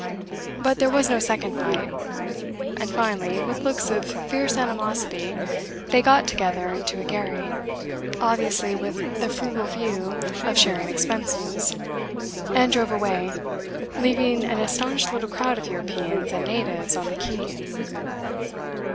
But there was no second fight; and finally, with looks of fierce animosity, they got together into a gharry obviously with the frugal view of sharing expenses and drove away, leaving an astonished little crowd of Europeans and natives on the quay.